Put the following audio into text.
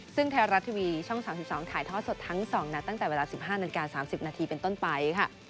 ซึ่งไทยรัฐทีวีช่อง๓๒ถ่ายทอดสดทั้ง๒นัดตั้งแต่เวลา๑๕นาฬิกา๓๐นาทีเป็นต้นไปค่ะ